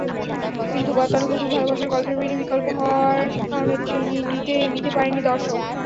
কিন্তু গতানুগতিক ভালোবাসার গল্পের বাইরে বিকল্প হওয়ার কারণে নিতে পারেনি দর্শক।